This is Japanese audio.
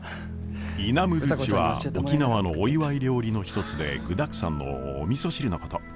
イナムドゥチは沖縄のお祝い料理の一つで具だくさんのおみそ汁のこと。